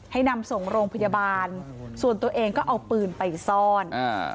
นำส่งโรงพยาบาลส่วนตัวเองก็เอาปืนไปซ่อนอ่า